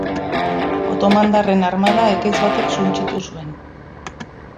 Otomandarren armada ekaitz batek suntsitu zuen.